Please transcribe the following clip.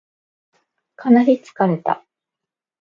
かなり疲れた